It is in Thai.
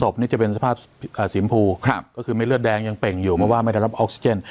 จะเป็นสภาพสีมพูก็คือไม่เลือดแดงยังเป่งอยู่เพราะว่าไม่ได้รับออกซิเจน